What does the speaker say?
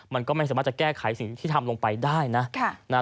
มันก็ไม่สามารถจะแก้ไขสิ่งที่ทำลงไปได้นะ